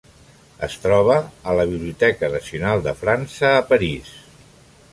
Es troba a la Biblioteca Nacional de França a París.